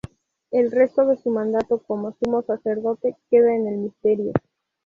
El resto de su mandato como sumo sacerdote queda en el misterio.